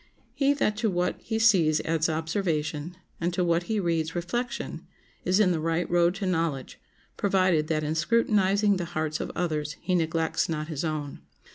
He that to what he sees adds observation, and to what he reads, reflection, is in the right road to knowledge, provided that in scrutinizing the hearts of others he neglects not his own.